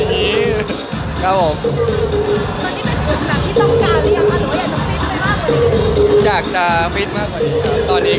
ตอนนี้เป็นคุณภาคที่ต้องการหรือยัง